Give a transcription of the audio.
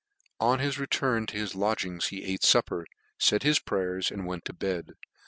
On his return to his lodgings he ate his Tapper, faid his prayers, and went to bed.